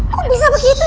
kok bisa begitu